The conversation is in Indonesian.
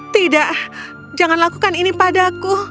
tidak jangan lakukan ini padaku